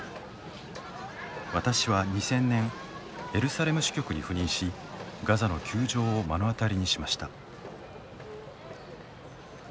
私は２０００年エルサレム支局に赴任しガザの窮状を目の当たりにしました。